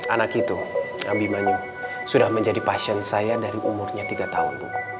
anak itu nabi manyu sudah menjadi pasien saya dari umurnya tiga tahun